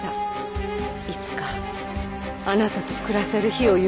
いつかあなたと暮らせる日を夢見て。